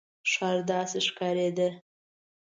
ښار داسې ښکارېده.